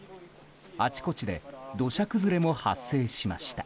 あちこちで土砂崩れも発生しました。